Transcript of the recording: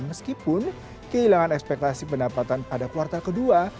meskipun kehilangan ekspektasi pendapatan pada kuartal kedua